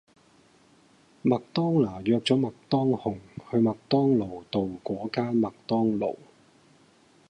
麥當娜約左麥當雄去麥當勞道果間麥當勞